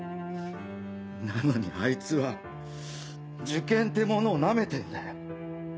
なのにあいつは受験ってものをナメてんだよ。